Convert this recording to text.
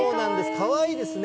かわいいですね。